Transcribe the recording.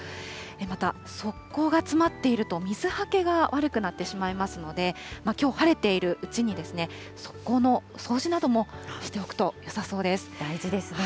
また側溝が詰まっていると、水はけが悪くなってしまいますので、きょう、晴れているうちに、側溝の掃除などもしておくとよさそう大事ですね。